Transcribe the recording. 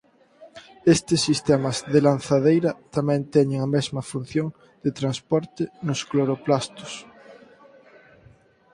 Estes sistemas de lanzadeira tamén teñen a mesma función de transporte nos cloroplastos.